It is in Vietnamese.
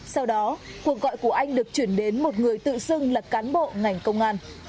sau đó cuộc gọi của anh được chuyển đến một người tự xưng là cán bộ ngành công an